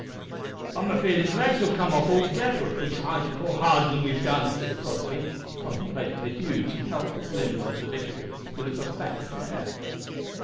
"I'm afeared his legs'll come off altogether if we try to pull harder than we've done," said Crossby, contemplating the huge and helpless limbs of the victim with a perplexed air.